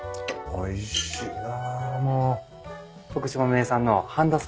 おいしいな。